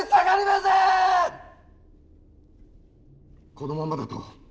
このままだと。